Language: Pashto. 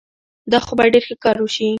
دا خو به ډېر ښه کار وشي.